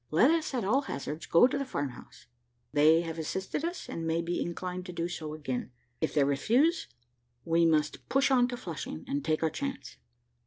Let us, at all hazards, go to the farmhouse. They have assisted us, and may be inclined to do so again; if they refuse, we must push on to Flushing and take our chance."